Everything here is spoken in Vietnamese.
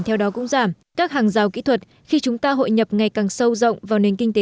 theo đó cũng giảm các hàng rào kỹ thuật khi chúng ta hội nhập ngày càng sâu rộng vào nền kinh tế